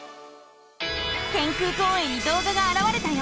天空公園に動画があらわれたよ！